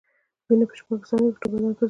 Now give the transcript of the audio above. وینه په شپږ ثانیو کې ټول بدن ګرځي.